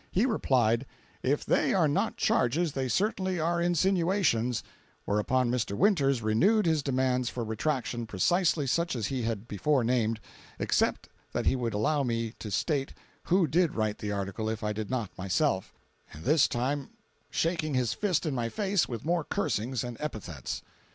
He replied, "if they are not charges, they certainly are insinuations," whereupon Mr. Winters renewed his demands for retraction precisely such as he had before named, except that he would allow me to state who did write the article if I did not myself, and this time shaking his fist in my face with more cursings and epithets.